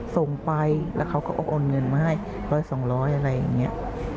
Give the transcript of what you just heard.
ส่งไปแล้วเค้าก็โอนเงินมาให้ร้อยสองร้อยอะไรอย่างเงี้ย